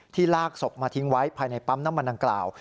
ลากศพมาทิ้งไว้ภายในปั๊มน้ำมันดังกล่าว